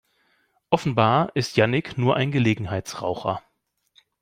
Offenbar ist Jannick nur ein Gelegenheitsraucher.